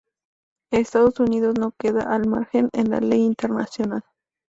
Estados Unidos no queda al margen en la Ley Internacional.